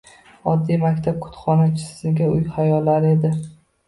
Oddiy maktab kutubxonachisining uy hayollari edi.